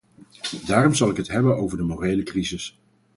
Daarom zal ik het hebben over de morele crisis.